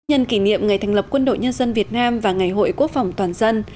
nhân kỷ niệm ngày thành lập quân đội nhân dân việt nam và ngày hội quốc phòng toàn dân